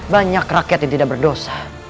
banyak rakyat yang tidak berdosa